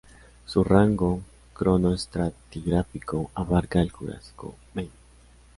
Su rango cronoestratigráfico abarca el Jurásico medio.